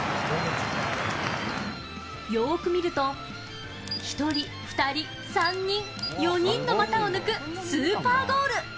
よく見ると、１人、２人、３人、４人の股を抜くスーパーゴール。